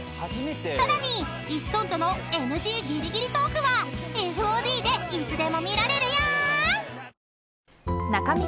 ［さらにイッソンとのＮＧぎりぎりトークはＦＯＤでいつでも見られるよ］